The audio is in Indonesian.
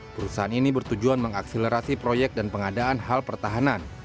perusahaan ini bertujuan mengakselerasi proyek dan pengadaan hal pertahanan